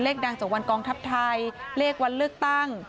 เลขดังวันกองทัพไทยเฬ็กวันเลขตั้ง